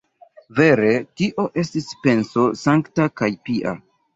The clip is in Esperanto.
Vere, tio estis penso sankta kaj pia.